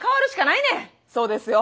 そうですよ